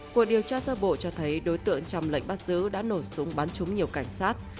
cuộc điều tra sơ bộ cho thấy đối tượng trong lệnh bắt giữ đã nổ súng bắn trúng nhiều cảnh sát